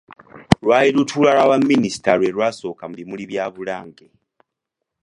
Lwali lutuula lwa Baminisita lwe lwasooka mu bimuli bya Bulange.